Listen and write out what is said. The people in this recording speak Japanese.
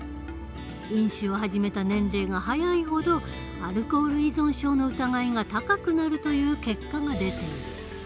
飲酒を始めた年齢が早いほどアルコール依存症の疑いが高くなるという結果が出ている。